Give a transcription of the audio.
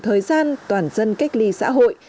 thời gian toàn dân cách ly xã hội